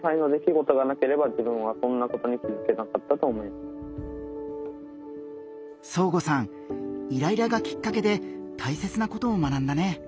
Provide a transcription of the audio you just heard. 多分そーごさんイライラがきっかけで大切なことを学んだね。